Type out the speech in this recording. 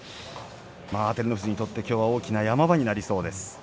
照ノ富士にとってきょうは大きな山場になりそうです。